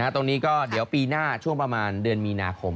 ตรงนี้ก็เดี๋ยวปีหน้าช่วงประมาณเดือนมีนาคม